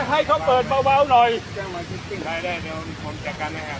ให้เขาเปิดเบาหน่อย